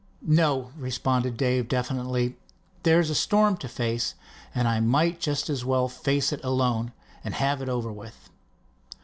"No," responded Dave definitely. "There's a storm to face, and I might just as well face it alone and have it over with."